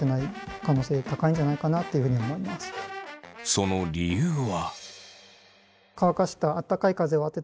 その理由は。